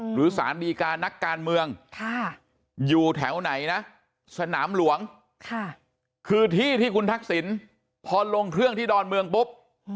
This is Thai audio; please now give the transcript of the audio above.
หรือสารดีการนักการเมืองอยู่แถวไหนนะสนามหลวงคือที่ที่คุณทักษิณพอลงเครื่องที่ดอนเมืองปุ๊บ